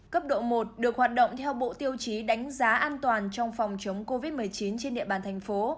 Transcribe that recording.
cấp độ một được hoạt động theo bộ tiêu chí đánh giá an toàn trong phòng chống covid một mươi chín trên địa bàn thành phố